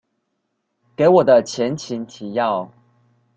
給我的前情提要